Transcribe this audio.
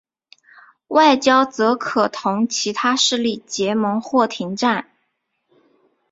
外交则可同其他势力结盟或停战。